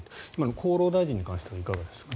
厚労大臣に関してはいかがですか。